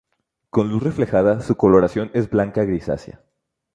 Con luz reflejada su coloración es blanca grisácea.